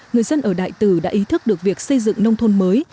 người dân ở đại tử đã ý thức được việc xây dựng nông thôn mới